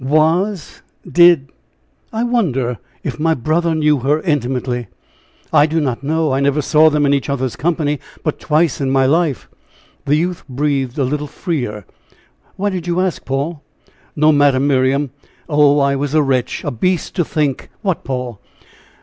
"Was did I wonder if my brother knew her intimately?" "I do not know; I never saw them in each other's company but twice in my life." The youth breathed a little freer. "Why did you ask, Paul?" "No matter, Miriam. Oh! I was a wretch, a beast to think " "What, Paul?"